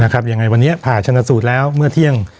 ยังไงวันนี้ผ่าชนะสูตรแล้วเมื่อเที่ยง